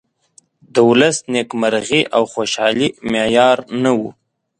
د ولس نیمکرغي او خوشالي معیار نه ؤ.